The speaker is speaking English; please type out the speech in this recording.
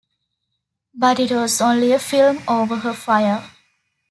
But it was only a film over her fire.